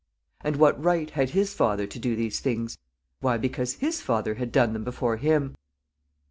And what right had his father to do these things? Why, because his father had done them before him.